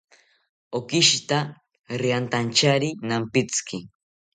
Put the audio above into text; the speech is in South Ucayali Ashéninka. Okishita riantanchari nampitziki